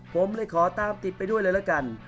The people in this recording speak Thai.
ผมเลยขอตามติดไปด้วยเลยละกัน